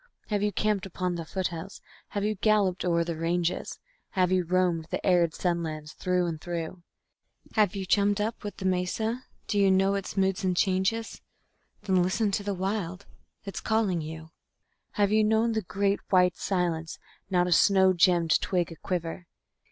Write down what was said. Have you camped upon the foothills, have you galloped o'er the ranges, Have you roamed the arid sun lands through and through? Have you chummed up with the mesa? Do you know its moods and changes? Then listen to the Wild it's calling you. Have you known the Great White Silence, not a snow gemmed twig aquiver?